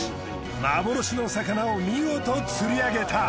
幻の魚を見事釣り上げた。